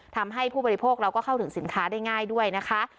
ทำให้ผู้บริโภคเราก็เข้าถึงสินค้าได้ง่ายด้วยนะคะ